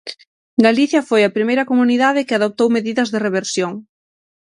Galicia foi a primeira comunidade que adoptou medidas de reversión.